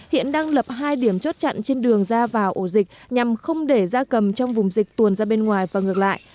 hiện đang lập hai điểm chốt chặn trên đường ra vào ổ dịch nhằm không để da cầm trong vùng dịch tuồn ra bên ngoài và ngược lại